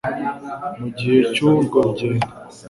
Mu gihe cy'urwo rugendo